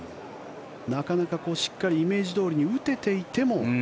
なかなかしっかりイメージどおりに打てていても。